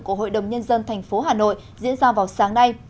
của hội đồng nhân dân thành phố hà nội diễn ra vào sáng nay